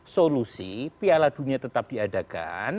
solusi piala dunia tetap diadakan